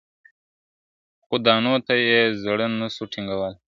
خو دانو ته یې زړه نه سو ټینګولای ,